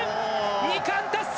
２冠達成！